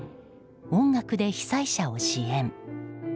音楽で被災者を支援。